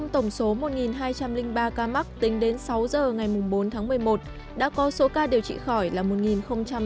trong tổng số một hai trăm linh ba ca mắc tính đến sáu giờ ngày bốn một mươi một đã có số ca điều trị khỏi là một sáu mươi chín ca